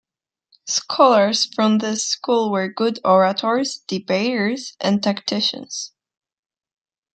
Scholars from this school were good orators, debaters and tacticians.